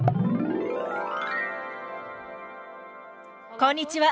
こんにちは！